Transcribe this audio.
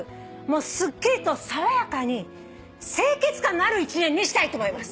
すっきりと爽やかに清潔感のある１年にしたいと思います。